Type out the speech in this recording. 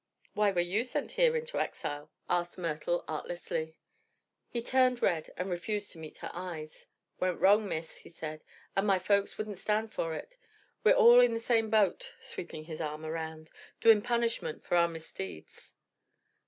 "Why were you sent here into exile?" asked Myrtle artlessly. He turned red and refused to meet her eyes. "Went wrong, Miss," he said, "and my folks wouldn't stand for it. We're all in the same boat," sweeping his arm around, "doing punishment for our misdeeds."